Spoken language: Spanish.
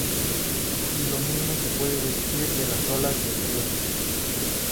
Y lo mismo se puede decir de las olas de frío.